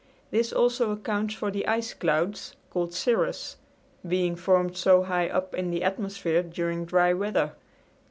This also accounts for the ice clouds, called cirrus, being formed so high up in the atmosphere during dry weather.